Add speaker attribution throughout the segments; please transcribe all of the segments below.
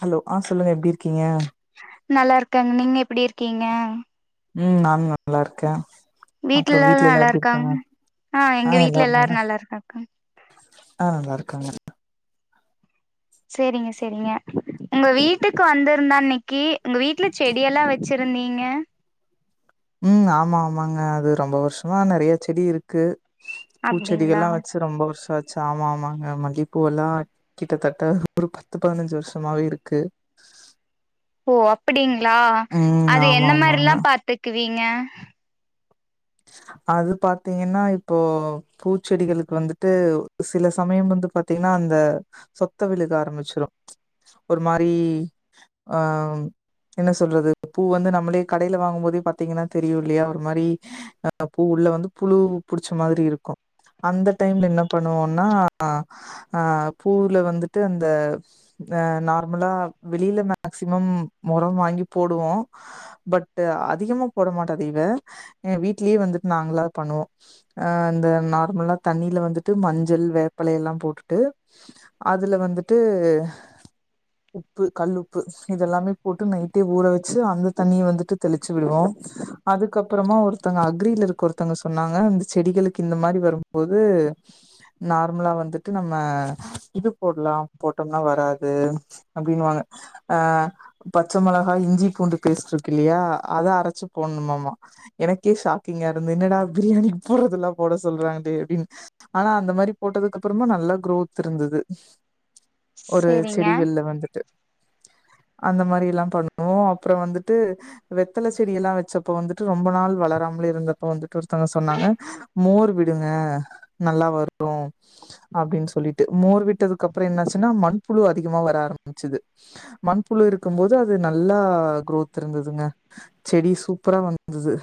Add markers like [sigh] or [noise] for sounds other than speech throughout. Speaker 1: Hello ஆ சொல்லுங்க எப்டி இருக்கீங்க
Speaker 2: நல்லாருக்கங்க நீங்க எப்டி இருக்கீங்க
Speaker 1: ம் நானு நல்லா இருக்கே
Speaker 2: வீட்ல
Speaker 1: அப்றோ
Speaker 2: எல்லாரு
Speaker 1: வீட்லல்லா
Speaker 2: நல்லா
Speaker 1: எப்டி
Speaker 2: இருக்காங்
Speaker 1: இருக்காங்க
Speaker 2: ஆ எங்க
Speaker 1: அ
Speaker 2: வீட்ல
Speaker 1: எல்லாரு
Speaker 2: நல்லா
Speaker 1: நல்லாருக்கு
Speaker 2: இருக்காங்க
Speaker 1: ஆ நலாலாருக்காங்க
Speaker 2: சேரிங்க சேரிங்க உங்க வீட்டுக்கு வந்திருந்த அன்னைக்கு உங்க வீட்ல செடியெல்லா வச் சிருந்தீங்க
Speaker 1: ம் ஆமா ஆமாங்க அது ரொம்ப வருஷமா நறைய செடி இருக்கு
Speaker 2: அப்டிங்களா
Speaker 1: பூச்செடிகள்ல்லா வச்சு ரொம்ப வர்ஷோ ஆச்சு ஆமா ஆமாங்க மல்லிப்பூவெல்லா கிட்டத்தட்ட ஒரு பத்து பதினஞ்சு வருஷமாவே இருக்கு
Speaker 2: ஓ அப்டிங்ளா
Speaker 1: ம்
Speaker 2: அது
Speaker 1: ஆமா
Speaker 2: எந்த
Speaker 1: ஆமாங்க
Speaker 2: மாரில்லா பாத்துக்குவீங்க
Speaker 1: அது பாத்திங்கன்னா இப்போ பூச்செடிகளுக்கு வந்துட்டு சில சமயம் வந்து பாத்திங்கன்னா அந்த சொத்த விலுக ஆரம்பிச்சிரு ஒரு மாரி அ என்ன சொல்றது பூ வந்து நம்ளே கடையில வாங்கு போதே பாத்திங்கன்னா தெரியு இல்லையா ஒரு மாதிரி அ பூ உள்ள வந்து புழு புடிச்ச மாதிரி இருக்கு அந்த டைம்ல என்ன பண்ணுவோனா அ பூல வந்துட்டு அந்த அ நார்மலா வெளியில மேக்சிமம் மொரோ வாங்கி போடுவோ பட் அதிகமா போட மாட்டோ தவிர வீட்லியே வந்துட்டு நாங்ளா பண்ணுவோ அ இந்த நார்மலா தண்ணில வந்துட்டு மஞ்சள் வேப்பல எல்லா போட்டுட்டு அதுல வந்துட்டு உப்பு கல்லுப்பு இதெல்லாமே போட்டு நைட்டே ஊற வச்சு அந்த தண்ணிய வந்துட்டு தெளிச்சு விடுவோ அதுக்கப்றமா ஒரு ஒருத்தங்க அக்ரில இருக்க ஒருத்தங்க சொன்னாங்க இந்த செடிகளுக்கு இந்த மாதிரி வரும்போது நார்மலா வந்துட்டு நம்ம இது போட்லா போட்டோம்னா வராது அப்டின்னுவாங்க அ பச்ச மெளகா இஞ்சி பூண்டு பேச்ட்டு இருக்கு இல்லையா அத அரச்சு போட்ணுமாமா எனக்கே ஷாக்கிங்கா இருந்துது என்னடா பிரியாணிக்கு போட்றதுல்லா போட சொல்றாங்ளே அப்டின்னு ஆனா அந்த மாதிரி போட்டதுக்கு அப்றமா நல்லா குரோத் இருந்துது ஒரு
Speaker 2: சேரிங்க
Speaker 1: செடிகள்ல வந்துட்டு அந்த மாதிரி எல்லா பண்ணுவோ அப்றோ வந்துட்டு வெத்தல செடிய எல்லா வச்சப்ப வந்துட்டு ரொம்ப நாள் வளராமலே இருந்தப்ப வந்துட்டு ஒருத்தங்க சொன்னாங்க மோர் விடுங்க நல்லா வரு அப்டின் சொல்லிட்டு மோர் விட்டதுக்கு அப்றோ என்னாச்சுன்னா மண்புழு அதிகமா வர ஆரம்பிச்சுது மண்புழு இருக்கும்போது அது நல்லா குரோத் இருந்துதுங்க செடி சூப்பரா வந்துது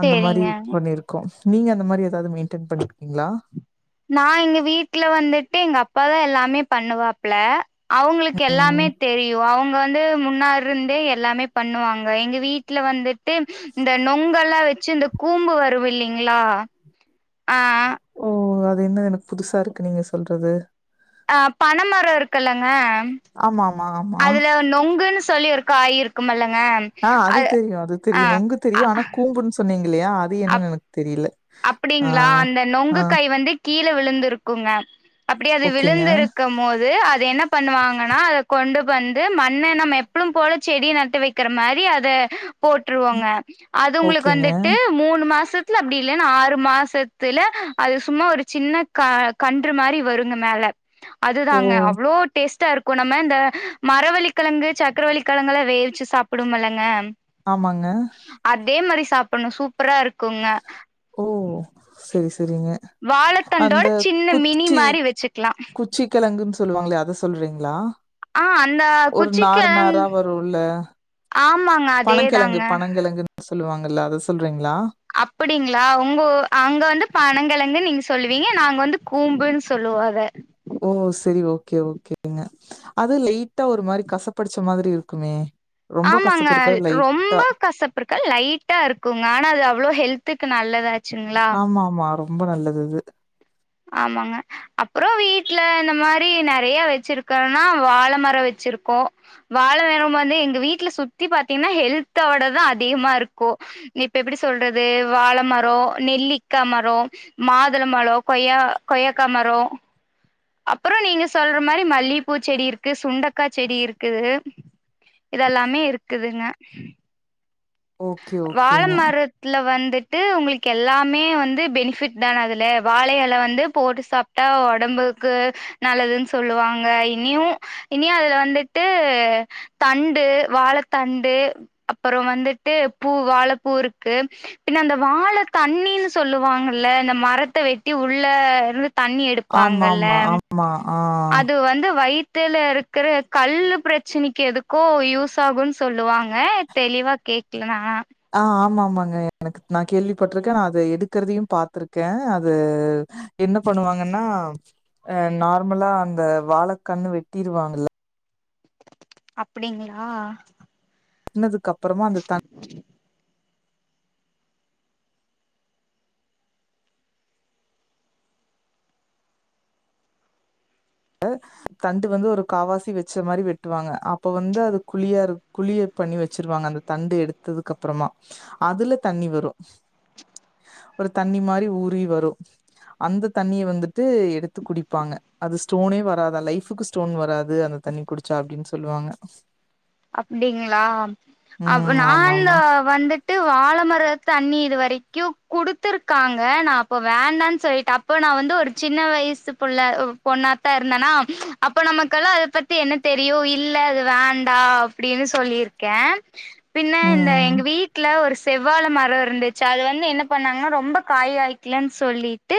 Speaker 1: அந்த மாரி
Speaker 2: சேரிங்க
Speaker 1: பண்ணிர்க்கோ நீங்க அந்த மாதிரி ஏதாவது மெயின்டன் பண்ணிருக்கீங்ளா
Speaker 2: நா எங்க வீட்டல வந்துட்டு எங்க அப்பாதா எல்லாமே பண்ணுவாப்ல அவுங்ளுக்கு எல்லாமே
Speaker 1: ம்
Speaker 2: தெரியு அவுங்க வந்து முன்னாருந்தே எல்லாமே பண்ணுவாங்க எங்க வீட் ல வந்துட்டு இந்த நொங்கெல்லா வச்சு இந்த கூம்பு வரு இல்லைங்ளா ஆ
Speaker 1: ஓ அது என்ன எனக்கு புதுசா இருக்கு நீங்க சொல்றது
Speaker 2: ஆ பன மரோ இருக்குல்லங்க
Speaker 1: ஆமா ஆமா ஆமா
Speaker 2: நொங்குன் சொல்லி ஒரு காய் இருக்குமல்லங்க
Speaker 1: அ அது தெரியு அது
Speaker 2: ஆ
Speaker 1: தெரியு நொங்கு தெரியு ஆனா கூம்புன் சொன்னீங்கல்லையா அது
Speaker 2: அ
Speaker 1: என்னன்னு எனக்கு தெரில
Speaker 2: அப்டிங்களா அந்த நொங்கு காய் வந்து கீழ விழுந்துருக்குங்க அப்டி அது
Speaker 1: ஓகேங்க,
Speaker 2: விழுந்துருக் இருக்கம் போது அது என்ன பண்ணுவாங்கன்னா அத கொண்டு வந்து மண்ண நம்ம எப்பளும் போல செடி நட்டு வைக்க இருக்கிற மாரி அத போட்டுருவோங்க அது உங்களுக்கு
Speaker 1: ஓகேங்க.
Speaker 2: வந்துட்டு மூணு மாசத்துல அப்டி [unintelligible] ஆறு மாசத்துல அது சும்மா ஒரு சின்ன கன்று மாரி வருங்க மேல
Speaker 1: ஓ!
Speaker 2: அதுதாங்க அவ்ளோ டேஸ்ட்டா இருக் கு நம்ம இந்த மரவள்ளிகெழங்கு சக்கரவள்ளிகெழங்கு எல்லா வேவிச்சு சாப்பிடுவோமல்லங்க
Speaker 1: ஆமாங்க
Speaker 2: அதே மாரி சாப்பிட்ணு சூப்பரா இருக்குங்க
Speaker 1: ஓ செரி செரிங்க
Speaker 2: வாழத்தண்டோட சின்ன மினி மாரி வெச்சுக்கலா
Speaker 1: சீக்கலங்குன்னனு சொல்லுவாங்களா அத சொல்றீங்களா
Speaker 2: ஆ அந்த
Speaker 1: ஒரு நார்
Speaker 2: குச்சிக்கெழங்
Speaker 1: நாரா
Speaker 2: ஆமாங்
Speaker 1: பனங்கெழங்கு பனங்கெழங்குன்னு சொல்லுவாங்கல்ல அத சொல்றீங்களா
Speaker 2: அப்பிடீங்களா உங்க அங்க வந்து பனங்கெழங்குன்னு நீங்க சொல்லுவீங்க நாங்க வந்து கூம்புன்னு சொல்லுவோ அத
Speaker 1: ஓ செரி ஓகே ஓகேங்க அது லைட்டா ஒரு மாரி கசப்படிச்ச மாரி இருக்குமே ரொம்ப
Speaker 2: ஆமாங்க
Speaker 1: கசப்பு இருக்காது,
Speaker 2: ரொம்ப
Speaker 1: லைட்டா.
Speaker 2: கசப் பு இருக்காது லைட்டா இருக்குங்க ஆனா அது அவ்ளோ ஹெல்த்துக்கு நல்லது
Speaker 1: ஆமா ஆமா ரொம்ப நல்லது அது
Speaker 2: ஆமாங்க அப்றோ வீட்ல இந்த மாரி நெறைய வெச்சிருக்கோன்னா வாழ மரோ வெச்சிருக்கோ வாழ மரோ வந்து எங்க வீட்ல சுத்தி பாத்தீங்கன்னா ஹெல்தோடதா அதிகமா இருக்கு இப்ப எப்டி சொல்றது வாழமரோ நெல்லிக்கா மரோ மாதுள பழோ கொய்யா கொய்யாக்கா மரோ அப்றோ நீங்க சொல்ற மாரி மல்லிப்பூ செடி இருக்கு சுண்டக்கா செடி இருக்குது இதெல்லாமே இருக்குதுங்க
Speaker 1: ஓகே,
Speaker 2: வாழ
Speaker 1: ஓகேங்க.
Speaker 2: மரத் துல வந்துட்டு உங்களுக்கு எல்லாமே வந்து பெனிஃபிட் தான அதுல வாழ எல வந்து போட்டு சாப் டா ஒடம்புக்கு நல்லதுன்னு சொல்லுவாங்க இன்னியு இன்னியு அதுல வந்துட்டு தண்டு வாழத்தண்டு அப்புறோ வந் ட்டு பூ வாழப்பூ இருக்கு பின்னு அந்த வாழ தண்ணின்னு சொல்லுவாங்கல்ல இந்த மரத்த வெட்டி உள்ள இருந்து தண்ணி எடு எடுப்பாங்கல்ல
Speaker 1: ஆமாமா, ஆமா ஆ
Speaker 2: அது வந்து வயித் தில இருக்கிற கல் பிரச்சனைக்கு எதுக்கோ யூஸ் ஆகுன்னு சொல்லுவாங்க தெளிவா கே க்கல நா ஆனா
Speaker 1: ஆ ஆமா ஆமாங்க எனக்கு நா கேள்விப்பட்டிருக்கே நா அத எடுக்கிறதையு பாத்துருக்கே அது என்ன பண்ணுவாங்கன்னா ஆ நார்மலா அந்த வாழ கண்ணு வெட்டிருவாங்கல்ல
Speaker 2: அப்பிடிங்களா
Speaker 1: பன்னதுக்கு அப்புறமா அந்த தண் ல தண்டு வந்து ஒரு காவாசி வெச்ச மாரி வெட்டுவாங்க அப்ப வந்து அது குழியா குழிய பண்ணி வெச்சிருவாங்க அந்த தண்டு எடுத்ததுக்கு அப்புறமா அதுல தண்ணி வரு ஒரு தண்ணி மாரி ஊறி வரு அந்த தண்ணிய வந்துட்டு எடுத்து குடிப்பாங்க அது ஸ்டோனே வராத லைஃப்புக்கு ஸ்டோன் வராது அந்த தண்ணி குடிச்சா அப்டின்னு சொல்லுவாங்க
Speaker 2: அப்படிங்களா அப்
Speaker 1: ம் ஆமா
Speaker 2: நாலு
Speaker 1: ஆமா
Speaker 2: வந்துட்டு வாழ மர தண்ணி இது வரைக்கு குடுத்துருக்காங்க நா அப்ப வேண்டான் சொல்லிட்ட அப் ப நா வந்து ஒரு சின்ன வயசு புள்ள அ பொண்ணாதா இருந்தனா அப்ப நமக்கெல்லா அத பத் தி என்ன தெரியு இல்ல அது வேண்டா அப்படினு சொல்லிருக்கே பின்ன இந்த
Speaker 1: ம்
Speaker 2: எங்க வீட்ல ஒரு செவ்வாழ மரோ இருந்துச்சு அது வந்து என்ன பண்ணாங்ன்னா ரொம்ப காய் காயிக்கலன் சொல்லிட்டு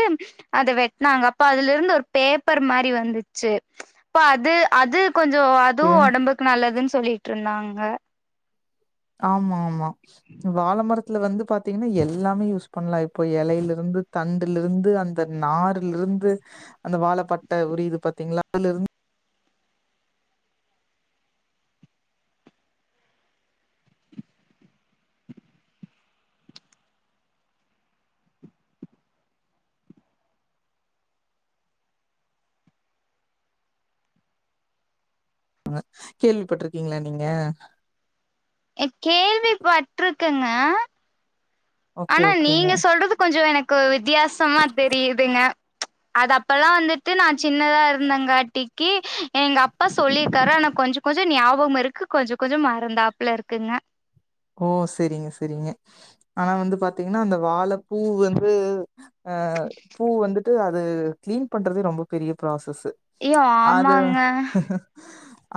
Speaker 2: அத வெட்னாங்க அப்ப அதுல இருந்து ஒரு பேப்பர் மாரி வந்துச்சு ப்ப அது அது கொஞ்சோ அதுவு
Speaker 1: ஓகே
Speaker 2: ஒடம்புக்கு நல்லதுன் சொல்லிட்ருந்தாங்க
Speaker 1: ஆமா ஆமா வாழமரத் துல வந்து பாத்தீங்கன்னா எல்லாமே யூஸ் பண்லா இப்போ எலையிலிருந்து தண்டுலிருந்து அந் த நாருலிருந்து அந்த வாழப்பட்ட உரியிது பாத்தீங்ளா அதுலிருந் ங்க கேள்விப்பட்ருக்கீங்ளா நீங்க
Speaker 2: அ கேள்விப்பட்ருக்கங்க
Speaker 1: ஓகே
Speaker 2: ஆனா
Speaker 1: ஓகேங்க
Speaker 2: நீங்க சொல்றது கொஞ்சோ எனக்கு வித்தியாசமா தெரியுதுங்க அது அப்பல்லா வந்துட்டு நா சின்னதா இருந்தேங்காட்டிக்கு எங்க அ ப்பா சொல்லியிருக்காரு ஆனா கொஞ்சோ கொஞ்சோ ஞாபோமிருக்கு கொஞ்சோ கொஞ்சோ மறந்தாப்புல இருக்குங்க
Speaker 1: ஓ செரிங்க செரிங்க ஆனா வந்து பாத்தீங்கன்னா அந்த வாழப்பூ வந்து ஆ பூ வந்துட்டு அது க்ளீன் பண்றதே ரொம்ப பெரிய ப்ராசஸ்ஸு
Speaker 2: ஐயோ
Speaker 1: அது
Speaker 2: ஆமாங்க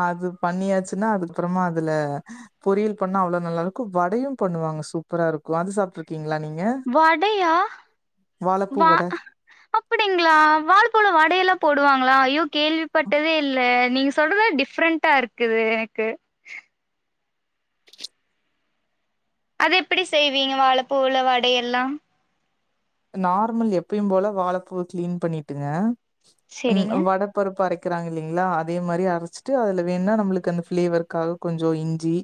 Speaker 1: அது பண்ணியாச்சுன்னா அதுக்கப்புறமா அதுல பொரியல் பண்ணா அவ்ளோ நல்லா இரு க்கு வடையு பண்ணுவாங்க சூப்பரா இருக் கு அது சாப்ட்ருக்கீங்களா நீங்க
Speaker 2: வடையா
Speaker 1: வாழப்பூ வட
Speaker 2: அப்படி ங்ளா வாழ பூல வடையெல்லா போடுவாங்களா ஐயோ கேள்விப்பட்டதே இல்ல நீங்க சொல்றதே டிஃப்ரெண்டா இரு க்குது எனக்கு அது எப்படி செய்வீங்க வாழப்பூவுல வடை எல்லா
Speaker 1: நார்மல் எப்பயும் போல வாழப்பூவ க்ளீன் பண்ணிட்டுங்க ம்
Speaker 2: செரிங்க
Speaker 1: வட பருப்பு அரைக்கிறாங்க இல்லீங்ளா அதே மாரி அரச்சுட்டு அதுல வேண்ணா நம்மளுக்கு அந்த ஃபிளேவருக்காக கொஞ்சோ இஞ்சி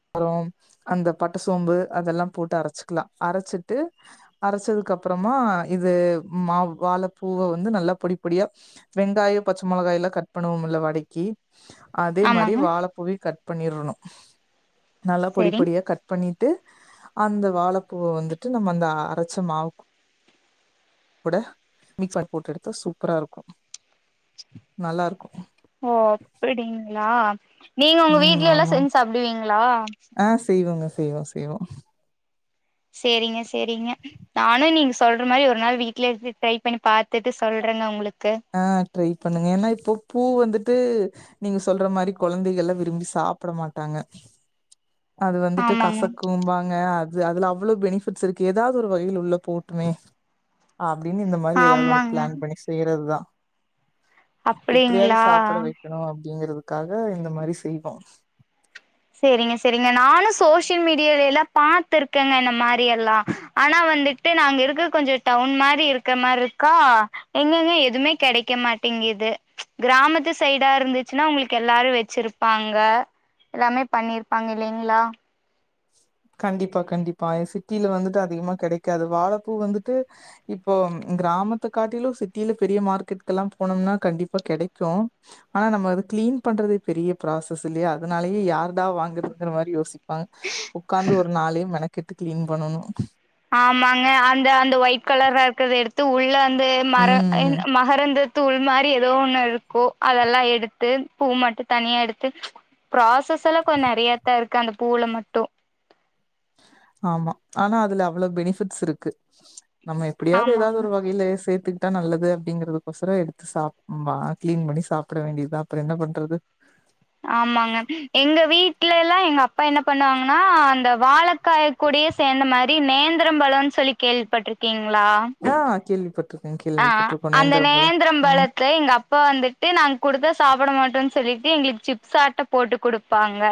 Speaker 1: அப்பறோ அந்த பட்ட சோம்பு அதெல்லா போட்டு அரச்சுக்லா அரச்சிட்டு அரச்சதுக்கு அப்றமா இது மாவ் வாழப்பூவ வந்து நல்லா பொடி பொடியா வெங்காயோ பச்ச மொளகாயெல்லா கட் பண்ணுவோமுல்ல வடைக்கி அதே மாரி
Speaker 2: ஆமாங்க
Speaker 1: வாழப்பூவயு கட் பண்ணிறணு நல்லா பொடி
Speaker 2: செரி
Speaker 1: பொடியா கட் பண்ணிட்டு அந்த வாழப்பூவ வந்துட்டு நம்ம அந்த அரச்ச மாவு கூட மிக்ஸ் பண்ணி போட்டு எடுத்தா சூப்பரா இருக்கு நல்லா இருக்கு
Speaker 2: ஓ அப்படிங்கிளா நீங்க உங்க
Speaker 1: ம்
Speaker 2: வீட்லெல்லா
Speaker 1: ஆமாம்
Speaker 2: செஞ்ச் சாப்டுவீங்களா
Speaker 1: ஆ செய்வோங்க செய்வோ செய்வோ
Speaker 2: செரிங்க செரிங்க நானு நீங்க சொல்ற மாரி ஒரு நாள் வீட்ல எடுத்து ட்ரை பண்ணி பாத்துட்டு சொல்றேங்க உங்களுக்கு
Speaker 1: ஆ ட்ரை பண்ணுங்க ஏனா இப்போ பூ வந்துட்டு நீங்க சொல்ற மாரி கொழந்தைகள்லா விரும்பி சாப்பட மாட்டாங்க அது வந்துட்டு
Speaker 2: ஆமாங்க
Speaker 1: கசக்கும்பாங்க அ து அதுல அவ்ளோ பெனிஃபிட்ஸ் இருக்கு எதாது ஒரு வகைல உள்ள போட்டுமே அப்டின்னு இந்த மாரி எதாவ்து ஒரு
Speaker 2: ஆமாங்க
Speaker 1: ப்ளான் பண்ணி செய்யறதுதா எப்டியாது
Speaker 2: அப்டிங்களா
Speaker 1: சாப்புட வெய்க்கணு அப்டிங்கறதுக்காக இந்த மாரி செய்வோ
Speaker 2: சேரிங்க சேரிங்க நானு சோசியல் மீடியாலல்லா பாத்துருக்கேங்க இந்த மாரி எல்லா ஆனா வந்துட்டு நாங்க இருக்க கொஞ்ச டவுன் மாரி இருக்க மார் இருக்கா எங்கேங்க எதுமே கெடைக்க மாட்டேங்கிது கிராமத்து சைடா இருந்துச்சுன்னா உங்களுக்கு எல்லாரு வச்சுருப் பாங்க எல்லாமே பண்ணிருப்பாங்க இல்லீங்கிளா
Speaker 1: கண்டிப்பா கண்டிப்பா ய சிட்டில வந்துட்டு அதிகமா கெடைக்காது வாழப்பூ வந்துட்டு இப்போ கிராமத்த காட்டிலு சிட்டில பெரிய மார்க்கெட்கலா போனம்னா கண்டிப்பா கெடைக்கு ஆனா நம்ம அது கிளீன் பண்றதே பெரிய ப்ராசஸ் இல்லியா அதுனாலயே யார்டா வாங்குதுங்கிற மாரி யோசிப் பாங்க உக்காந்து ஒரு நாளே மெனக்கெட்டு கிளீன் பண்ணணு
Speaker 2: ஆமாங்க அந்த அந்த ஒயிட் கலரா இருக்கத எடுத்து உள்ள வந்து மர இந்
Speaker 1: ம்
Speaker 2: மகரந்த தூள் மாரி ஏதோ ஒண்ணு இருக்கு அதெல்லா எடுத்து பூ மட்டு தனியா எடுத்து ப்ராசஸ் எல்லா கொஞ்ச நெறயாத்தா இருக்கு அந்த பூவுல மட்டு
Speaker 1: ஆமா ஆனா அதுல அவ்ள பெனிஃபிட்ஸ் இருக்கு நம்ம எப்டியாது ஏதாது
Speaker 2: ஆமாங்க
Speaker 1: ஒரு வகைல சேத்து கிட்டா நல்லது அப்டிங்கது ஒசரோ எடுத்து சாப் ப கிளீன் பண்ணி சாப்ட வேண்டியதா அப்ற என்ன பண்றது
Speaker 2: ஆமாங்க எங்க வீட்லல்லா எங்க அப்பா என்ன பண்ணுவாங்கனா அந்த வாழ காய கூடயே சேந்த மாரி நேந்திரம் பழோனு சொல்லி கேள்விப்பட்ருக்கீங்களா
Speaker 1: ஆ கேள்வி பட்
Speaker 2: ஆ அந்த நேந்திரம்
Speaker 1: ம்
Speaker 2: பழத்த எங்க அப் பா வந்துட்டு நாங்க குடுத்தா சாப்ட மாட்டோனு சொல்லிட்டு எங்களுக்கு சிப்ஸ் ஆட்டோ போட்டு குடுப்பாங்க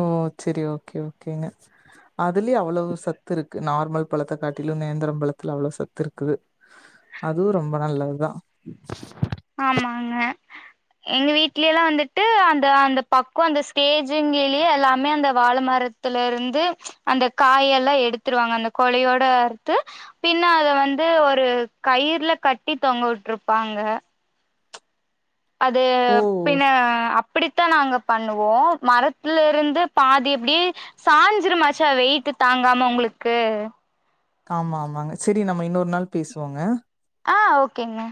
Speaker 1: ஓ செரி ஓகே ஓகேங்க அதுலயே அவ்ளவு சத்து இருக்கு நார்மல் பழத்த காட்டிலு நேந்திர பழத்துல அவ்ள சத்து இருக்குது அதுவு ரொம்ப நல்லது தா
Speaker 2: ஆமாங்க எங்க வீட்லியல்லா வந்துட்டு அந்த அந்த பக்கோ அந்த ஸ்டேஜிங்கயே எல்லாமே அந்த வாழ மரத் த்துல இருந்து அந்த காய எல்லா எடுத்துருவாங்க அந்த கொலயோட அறுத்து பின்ன அத வந்து ஒரு கயிர்ல கட்டி தொங்க உட்ருப்பாங்க அது
Speaker 1: ஓ
Speaker 2: பின அப் ப்படித்தா நாங்க பண்ணுவோ மரத்துல இருந்து பாதி எப்டி சாஞ்சுருமாச்சா வெயிட்டு தாங்காம உங்களுக்கு
Speaker 1: ஆமா ஆமாங்க சரி நம்ம இன்னோர் நாள் பேசுவோங்க
Speaker 2: ஆ ஓகேங்க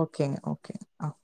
Speaker 1: ஓகேங்க ஓகேங்க ஆ